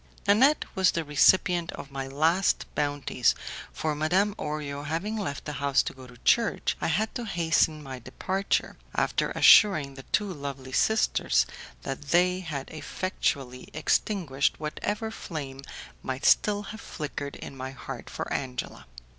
Nanette was the recipient of my last bounties, for Madame Orio having left the house to go to church, I had to hasten my departure, after assuring the two lovely sisters that they had effectually extinguished whatever flame might still have flickered in my heart for Angela.